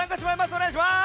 おねがいします！